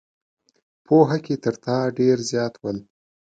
پوهه کې تر تا ډېر زیات ول.